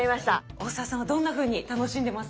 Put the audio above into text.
大沢さんはどんなふうに楽しんでます？